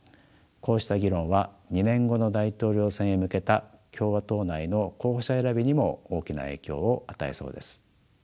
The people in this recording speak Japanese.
こうした議論は２年後の大統領選へ向けた共和党内の候補者選びにも大きな影響を与えそうです。